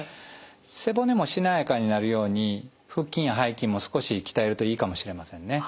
背骨もしなやかになるように腹筋や背筋も少し鍛えるといいかもしれませんね。